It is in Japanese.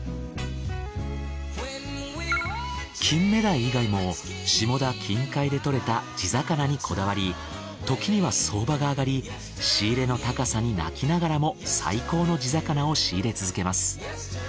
金目鯛以外も下田近海で獲れた地魚にこだわり時には相場が上がり仕入れの高さに泣きながらも最高の地魚を仕入れ続けます。